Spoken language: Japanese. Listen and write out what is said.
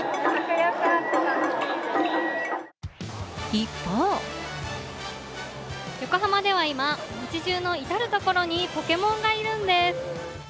一方横浜では今、街じゅうの至るところにポケモンがいるんです。